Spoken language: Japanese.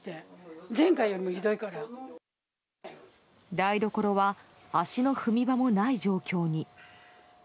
台所は足の踏み場もない状況に。